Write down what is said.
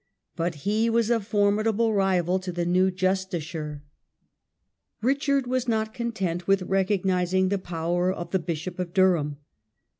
But he was a formidable rival to the new justiciar. Richard was not content with recognizing the power of the Bishop of Durham.